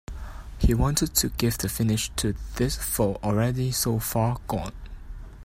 He wanted to give the finish to this foe already so far gone.